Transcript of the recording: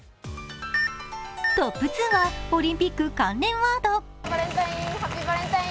トップ２はオリンピック関連ワード。